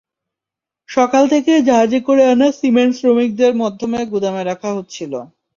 সকাল থেকে জাহাজে করে আনা সিমেন্ট শ্রমিকদের মাধ্যমে গুদামে রাখা হচ্ছিল।